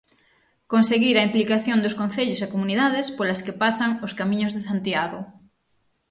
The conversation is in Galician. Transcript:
Conseguir a implicación dos concellos e comunidades polas que pasan os camiños de Santiago.